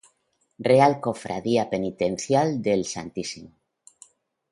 Real Cofradía Penitencial del Stmo.